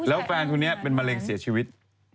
แล้วแฟนคนนี้เป็นมะเร็งเสียชีวิต